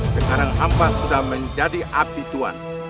sekarang hampa sudah menjadi abdi tuhan